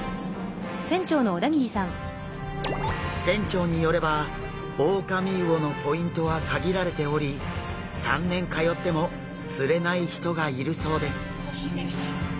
船長によればオオカミウオのポイントは限られており３年通っても釣れない人がいるそうです。